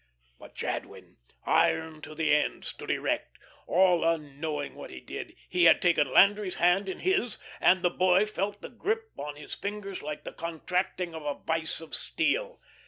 But Jadwin, iron to the end, stood erect. All unknowing what he did, he had taken Landry's hand in his and the boy felt the grip on his fingers like the contracting of a vise of steel.